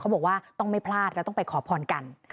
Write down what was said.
บอกว่าต้องไม่พลาดแล้วต้องไปขอพรกัน